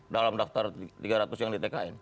dalam daftar tiga ratus yang di tkn